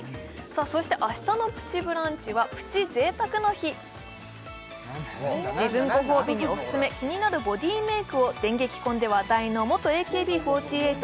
そして明日の「プチブランチ」はプチ贅沢の日自分ご褒美におすすめ気になるボディメイクを電撃婚で話題の元ＡＫＢ４８